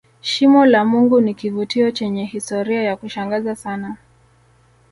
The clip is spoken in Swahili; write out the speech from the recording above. shimo la mungu ni kivutio chenye historia ya kushangaza sana